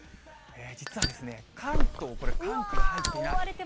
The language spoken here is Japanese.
実は関東、これ、寒気が入っていない。